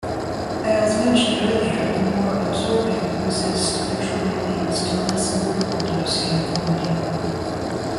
As mentioned earlier, a more absorbing resist actually leads to less vertical dose uniformity.